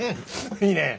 いいねえ！